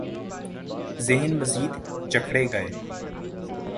ذہن مزید جکڑے گئے۔